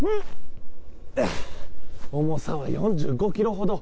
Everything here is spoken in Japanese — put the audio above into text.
重さは４５ｋｇほど。